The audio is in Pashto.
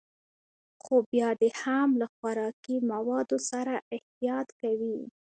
خو بيا دې هم له خوراکي موادو سره احتياط کوي.